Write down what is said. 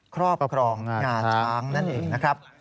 ครอบครองงาช้างนั่นเองนะครับ